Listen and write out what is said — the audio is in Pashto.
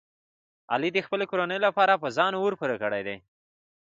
علي د خپلې کورنۍ لپاره په ځان اور پورې کړی دی.